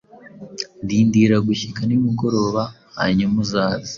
Rindira gushyika nimugoroba hanyuma uzaze